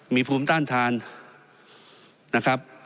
มีภูมิต้านทานนะครับ